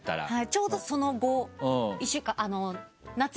ちょうどその後１週間。